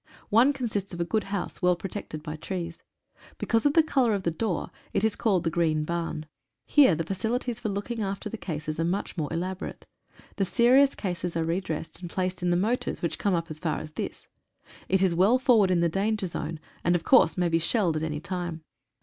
One con sists of a good house, well protected by trees. Because of the colour of the door it is called the Green Barn. Here the facilities for looking after the cases are much more elaborate. The serious cases are redressed and placed in the motors, which come up as far as this. It is well forward in the danger zone, and of course, may be shelled at any time.